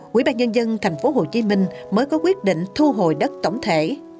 quỹ bà nhân dân thành phố hồ chí minh mới có quyết định thu hồi đất tổng thể